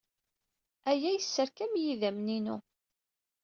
Aya yesserkam-iyi idammen-inu.